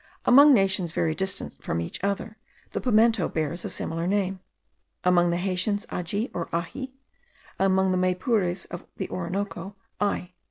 Among nations very distant from each other, the pimento bears a similar name; among the Haitians aji or ahi, among the Maypures of the Orinoco, ai.